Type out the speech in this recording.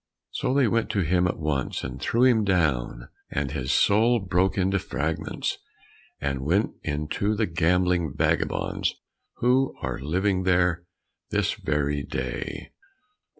So they went to him at once, and threw him down, and his soul broke into fragments, and went into the gambling vagabonds who are living this very day.